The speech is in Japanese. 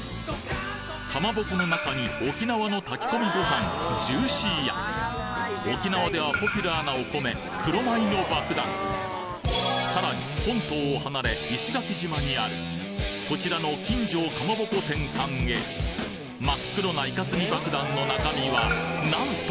かまぼこの中に沖縄の炊き込みご飯ジューシーや沖縄ではポピュラーなお米黒米のばくだんさらに本島を離れ石垣島にあるこちらの金城かまぼこ店さんへ真っ黒なイカスミばくだんの中身はなんと！